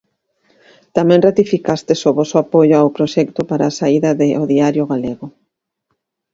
Tamén ratificastes o voso apoio ao proxecto para a saída de "O Diario Galego".